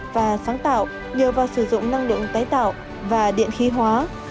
và sáng tạo nhờ vào sử dụng năng lượng tái tạo và điện khí hóa